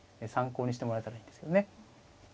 参考にしてもらえたらいいんですけどね。